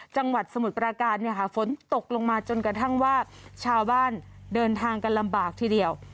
จังหวัดสมุดปราการฝนตกลงมาจนกระทั่งว่าชาวบ้านเดินทางกันลำบากทีเดียว